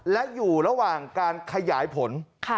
และอยู่ระหว่างการขยายผล